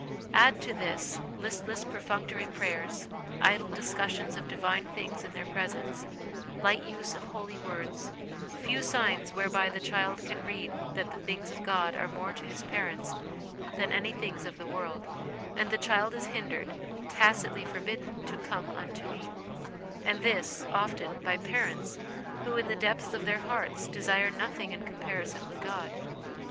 Add to this, listless perfunctory prayers, idle discussions of Divine things in their presence, light use of holy words, few signs whereby the child can read that the things of God are more to his parents than any things of the world, and the child is hindered, tacitly forbidden to " come unto Me," and this, often, by parents who in the depths of their hearts desire nothing in com parison with God.